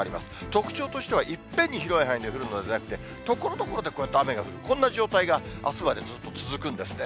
特徴としてはいっぺんに広い範囲で降るのではなくて、ところどころで、こうやって雨が降る、こんな状態があすまでずっと続くんですね。